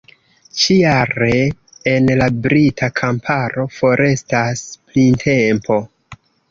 Ĉi-jare en la brita kamparo forestas printempo.